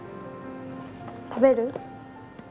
食べる？